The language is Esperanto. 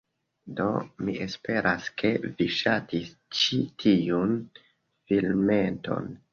Do, mi esperas, ke vi ŝatis ĉi tiun filmeton